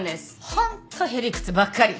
ホントへりくつばっかり。